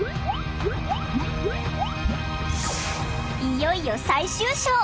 いよいよ最終章！